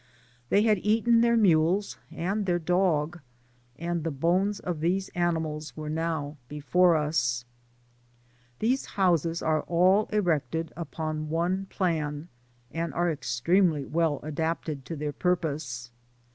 Th^ bad eaten their mules and their dog, and the bones of these animals were now before us« These houses are all erected upon one plan, and are extremely well adapted to their purpose.